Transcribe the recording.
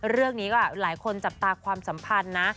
เรื่องนี้ก็หลายคนจับตาความสัมพันธ์นะ